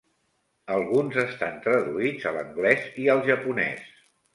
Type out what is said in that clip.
Alguns estan traduïts a l'anglès i al japonès.